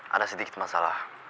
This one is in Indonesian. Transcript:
ada sedikit masalah